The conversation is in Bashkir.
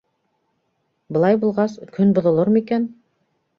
Былай булғас, көн боҙолор микән?